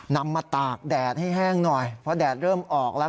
นำมาตากแดดให้แห้งหน่อยเพราะแดดเริ่มออกแล้ว